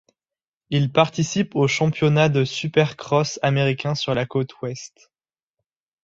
Il participe au championnat de supercross américain, sur la côte Ouest.